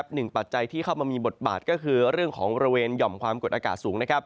ปัจจัยที่เข้ามามีบทบาทก็คือเรื่องของบริเวณหย่อมความกดอากาศสูง